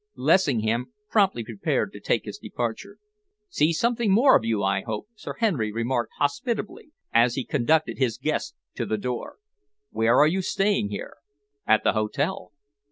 Lessingham promptly prepared to take his departure. "See something more of you, I hope," Sir Henry remarked hospitably, as he conducted his guest to the door. "Where are you staying here?" "At the hotel."